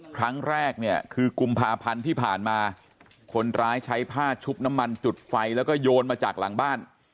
ครั้งแรกเนี่ยคือกุมภาพันธ์ที่ผ่านมาคนร้ายใช้ผ้าชุบน้ำมันจุดไฟแล้วก็โยนมาจากหลังบ้าน